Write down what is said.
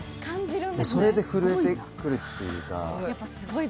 それで震えてくるというか。